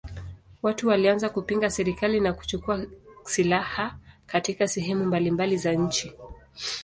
Watu walianza kupinga serikali na kuchukua silaha katika sehemu mbalimbali za nchi.